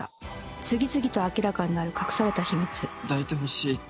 「次々と明らかになる隠された秘密」「抱いてほしいって言って」